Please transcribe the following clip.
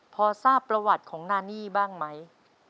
พอทราบประวัติของนานี่บ้างไหม